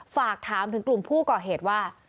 ฝากถามถึงกลุ่มผู้ก่อเหตุว่า